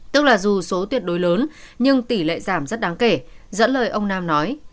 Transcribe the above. tức là dù số tuyệt đối lớn nhưng tỷ lệ giảm rất đáng kể dẫn lời ông nam nói